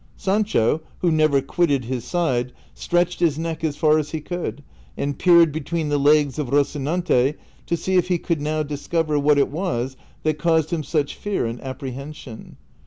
Sancho, who never quitted his side, stretched his neck as far as he could and peered between the legs of Rocinante to see if he could now discover what it was that caused him such fear and apprehension.